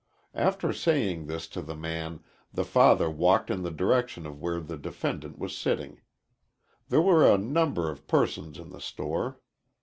After saying this to the man the father walked in the direction of where the defendant was sitting. There were a number of persons in the store.